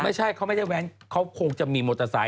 ไม่ใช่เขาไม่ได้แว้นเขาคงจะมีมอเตอร์ไซค